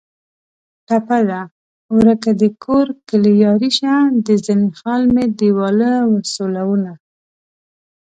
ټپه ده: ورکه دکور کلي یاري شه د زنې خال مې دېواله و سولونه